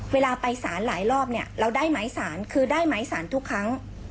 เวลาไปสารหลายรอบเนี่ยเราได้หมายสารคือได้หมายสารทุกครั้ง